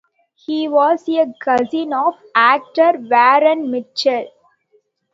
He was a cousin of actor Warren Mitchell.